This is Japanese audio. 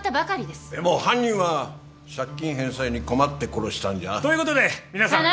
でも犯人は借金返済に困って殺したんじゃ。ということで皆さん。